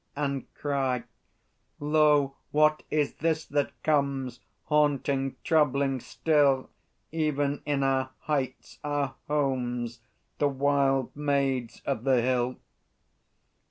and cry: "Lo, what is this that comes, Haunting, troubling still, Even in our heights, our homes, The wild Maids of the Hill?